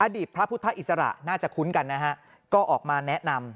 อดีตพระพุทธอิสระน่าจะคุ้นกันนะฮะก็ออกมาแนะนำ